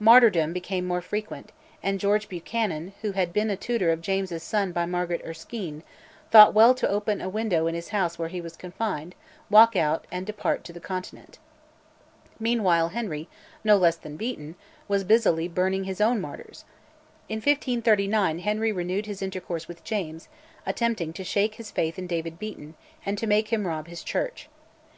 Martyrdoms became more frequent, and George Buchanan, who had been tutor of James's son by Margaret Erskine, thought well to open a window in a house where he was confined, walk out, and depart to the Continent. Meanwhile Henry, no less than Beaton, was busily burning his own martyrs. In 1539 Henry renewed his intercourse with James, attempting to shake his faith in David Beaton, and to make him rob his Church.